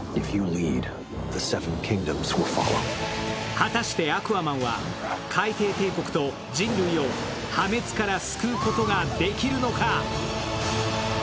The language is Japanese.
果たしてアクアマンは海底帝国と人類を破滅から救うことができるのか？